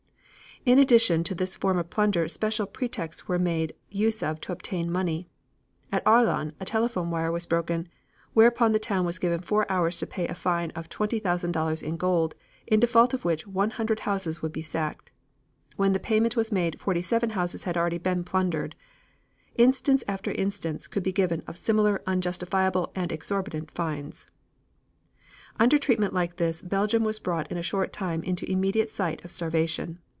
In addition to this form of plunder special pretexts were made use of to obtain money. At Arlon a telephone wire was broken, whereupon the town was given four hours to pay a fine of $20,000 in gold, in default of which one hundred houses would be sacked. When the payment was made forty seven houses had already been plundered. Instance after instance could be given of similar unjustifiable and exorbitant fines. Under treatment like this Belgium was brought in a short time into immediate sight of starvation.